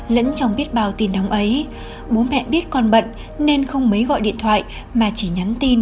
lẫn trong biết bao tiền đóng ấy bố mẹ biết con bận nên không mấy gọi điện thoại mà chỉ nhắn tin